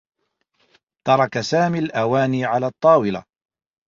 ترك سامي الأواني على الطّاولة.